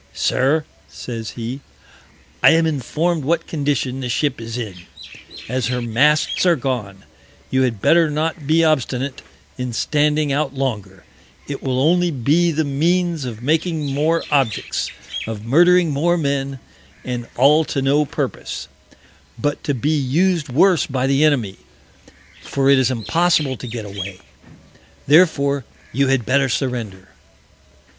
"Sir," says he, "I am inform'd what Condition the Ship is in; as her Masts are gone, you had better not be obstinate, in standing out longer; it will only be the Means of making more Objects, of murdering more Men, and all to no Purpose, but to be used worse by the Enemy, for it is impossible to get away. Therefore you had better surrender."